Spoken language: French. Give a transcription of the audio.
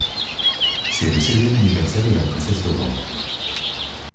C'est le seizième anniversaire de la princesse Aurore.